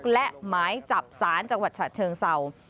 และหมายจับศาลจังหวัดฉะเชิงเศร้า